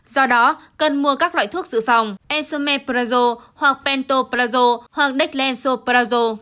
do đó cần mua các loại thuốc dự phòng ensome prazo hoặc pentoprazo hoặc declenso prazo